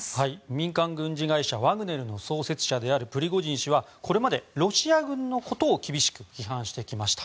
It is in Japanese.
民間軍事会社ワグネルの創設者であるプリゴジン氏はこれまでロシア軍のことを厳しく批判してきました。